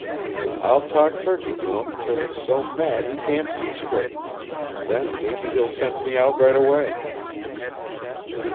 "I'll talk turkey to him till he's so mad he can't see straight. Then maybe he'll send me out right away."